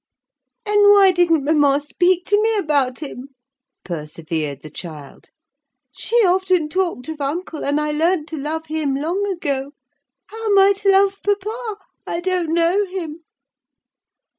"And why didn't mamma speak to me about him?" persevered the child. "She often talked of uncle, and I learnt to love him long ago. How am I to love papa? I don't know him."